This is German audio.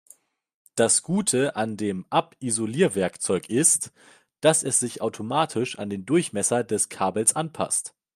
Das Gute an dem Abisolierwerkzeug ist, dass es sich automatisch an den Durchmesser des Kabels anpasst.